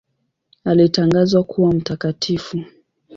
Alitangazwa kuwa mtakatifu.